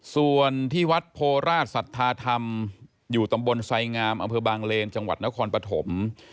ส่วนที่วัดโพราชสัทธาธรรมอยู่ตำบลไสงามอำเภอบางเลนจังหวัดนครปฐม